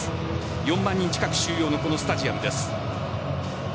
４万人近く収容するスタジアムです。